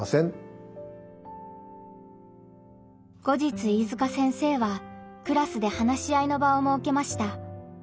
後日飯塚先生はクラスで話し合いの場をもうけました。